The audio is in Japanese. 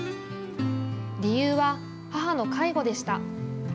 理由は、母の介護でした。